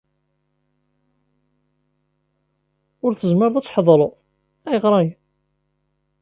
Ur tezmireḍ ad tḥeḍreḍ? Ayɣer ala?